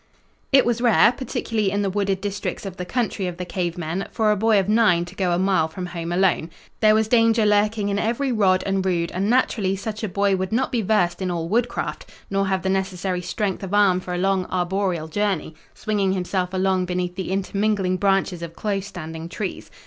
It was rare, particularly in the wooded districts of the country of the cave men, for a boy of nine to go a mile from home alone. There was danger lurking in every rod and rood, and, naturally, such a boy would not be versed in all woodcraft, nor have the necessary strength of arm for a long arboreal journey, swinging himself along beneath the intermingling branches of close standing trees.